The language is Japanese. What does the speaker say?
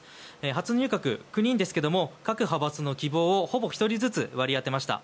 初入閣は９人ですが各派閥の希望をほぼ１人ずつ割り当てました。